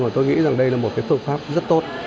tôi nghĩ đây là một phương pháp rất tốt